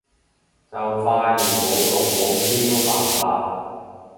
就快連舞龍舞獅都犯法